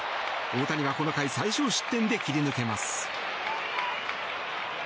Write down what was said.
大谷はこの回最少失点で切り抜けます。